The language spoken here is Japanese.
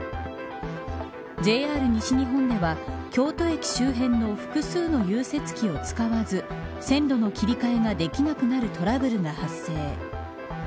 ＪＲ西日本では京都駅周辺の複数の融雪器を使わず線路の切り替えができなくなるトラブルが発生。